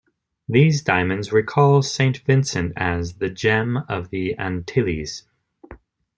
These diamonds recall Saint Vincent as the "gems of the Antilles".